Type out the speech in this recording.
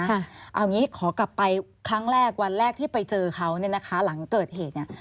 เอางี้ขอกลับไปครั้งแรกวันแรกที่ไปเจอเขาเนี่ยนะคะหลังเกิดเหตุเนี่ย